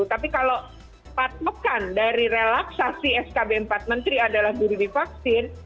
tapi kalau patokan dari relaksasi skb empat menteri adalah guru divaksin